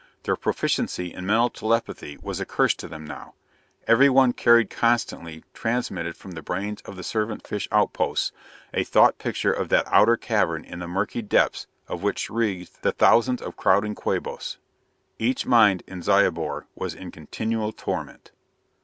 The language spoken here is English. Their proficiency in mental telepathy was a curse to them now: every one carried constantly, transmitted from the brains of the servant fish outposts, a thought picture of that outer cavern in the murky depths of which writhed the thousands of crowding Quabos. Each mind in Zyobor was in continual torment.